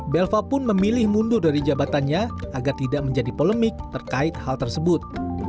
belva pun memilih mundur dari jabatannya agar tidak menjadi polemik terkait hal tersebut